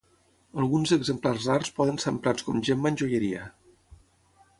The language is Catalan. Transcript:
Alguns exemplars rars poden ser emprats com gemma en joieria.